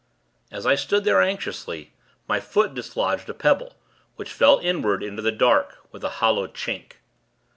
As I stood there, anxiously, my foot dislodged a pebble, which fell inward, into the dark, with a hollow chink.